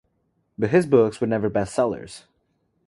But his books were never best-sellers.